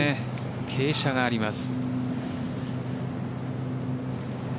傾斜があります。